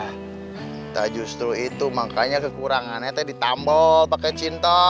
tidak justru itu makanya kekurangannya itu ditambel pakai cinta